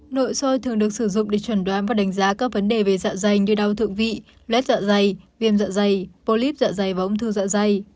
nội soi thường được sử dụng để chuẩn đoán và đánh giá các vấn đề về dạ dày như đau thượng vị lét dạ dày viêm dạ dày polyp dạ dày và ung thư dạ dày